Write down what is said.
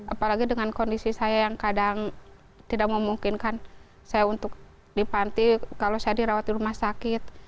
apalagi dengan kondisi saya yang kadang tidak memungkinkan saya untuk di panti kalau saya dirawat di rumah sakit